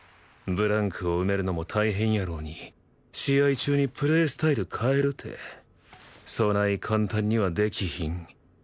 ブランクを埋めるのも大変やろうに試合中にプレースタイル変えるてそない簡単にはできひん